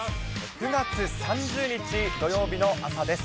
９月３０日土曜日の朝です。